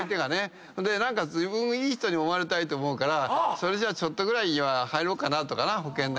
ほんで何か自分いい人に思われたいと思うからそれじゃあちょっとぐらい入ろうかなとかな保険なんか。